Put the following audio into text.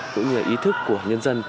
cũng như là ý thức của nhân dân